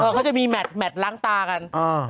เขาจะมีแมทล้างตากัน